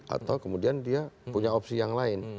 atau kemudian dia punya opsi yang lain